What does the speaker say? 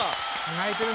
泣いてる。